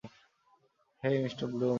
Hey, Mr Bloom.